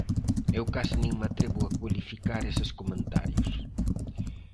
Eu case nin me atrevo a cualificar eses comentarios.